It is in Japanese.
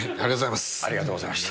ありがとうございます。